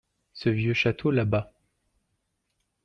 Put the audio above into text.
Ce vieux château là-bas.